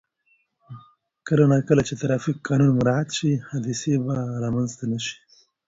کله نا کله چې ترافیک قانون مراعت شي، حادثې به رامنځته نه شي.